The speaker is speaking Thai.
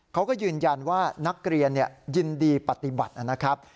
เขาก็ยืนยันว่านักเรียนยินดีปฏิบัตินะครับ